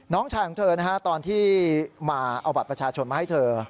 น้องชายของเธอนะฮะตอนที่มาเอาบัตรประชาชนมาให้เธอ